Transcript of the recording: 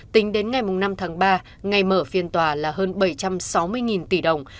tính đến ngày năm tháng ba ngày mở phiên tòa là hơn bảy trăm sáu mươi tỷ đồng